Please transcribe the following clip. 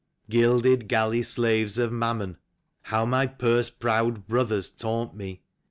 53 Gilded galley slaves of jMammon — how my purse proud brothers taunt me!